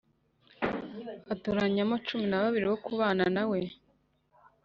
Atoranyamo cumi na babiri bo kubana na we